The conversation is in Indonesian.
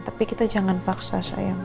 tapi kita jangan paksa sayang